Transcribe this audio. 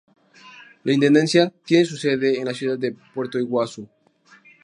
La intendencia tiene su sede en la ciudad de Puerto Iguazú.